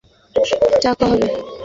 তোর কাছে সিগারেটের টাকা হবে?